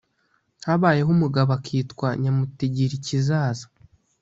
Habayeho umugabo akitwa Nyamutegerikizaza,